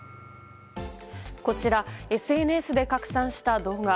こちら、ＳＮＳで拡散した動画。